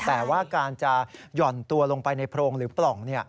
แต่ว่าการจะหย่อนตัวลงไปในโพรงหรือปล่อง